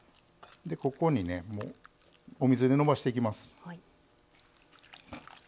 ここにねお水でのばしていきます。